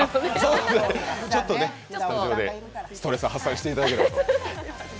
スタジオでストレス発散していただければと。